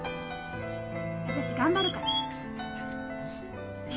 私頑張るから。